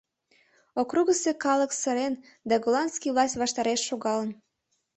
Округысо калык сырен да голландский власть ваштареш шогалын.